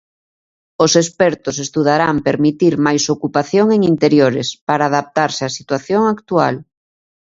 Os expertos estudarán permitir máis ocupación en interiores, para adaptarse á situación actual.